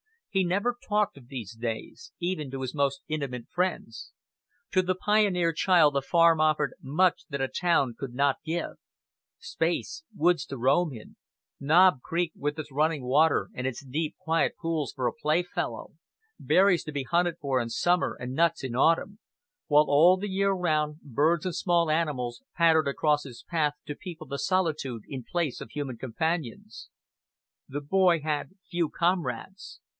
He never talked of these days, even to his most intimate friends. To the pioneer child a farm offered much that a town lot could not give him space; woods to roam in; Knob Creek with its running water and its deep, quiet pools for a playfellow; berries to be hunted for in summer and nuts in autumn; while all the year round birds and small animals pattered across his path to people the solitude in place of human companions. The boy had few comrades.